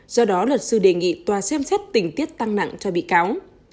do đó luật sư đề nghị tòa xem xét tình tiết tăng nặng cho bị cáo